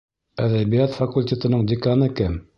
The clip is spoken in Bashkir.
Әҙәбиәт факультетының деканы кем?